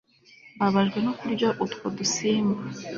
mbabajwe no kurya utwo dusimba